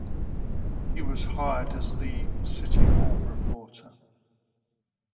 He was hired as the "City Hall" reporter.